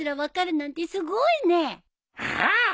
ああ。